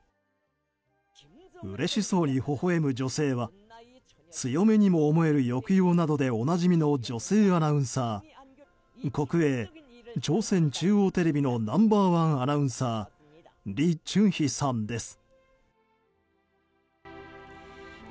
うれしそうにほほ笑む女性は強めにも思える抑揚などでおなじみの女性アナウンサー国営朝鮮中央テレビのナンバー１アナウンサーリ・チュンヒさんです。